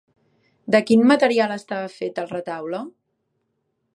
De quin material estava fet el retaule?